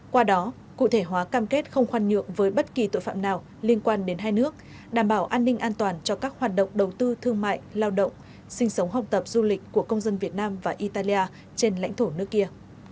qua đó cụ thể hóa cam kết không khoan nhượng với bất kỳ tội phạm nào liên quan đến hai nước đảm bảo an ninh an toàn cho các hoạt động đầu tư thương mại lao động sinh sống học tập du lịch của công dân việt nam và italia trên lãnh thổ nước kia